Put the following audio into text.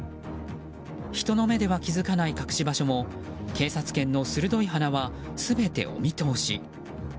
人の目では気づかない隠し場所も警察犬の鋭い鼻は全て、お見通し。